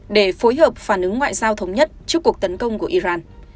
để phối hợp phản ứng ngoại giao thống nhất trước cuộc tấn công của iran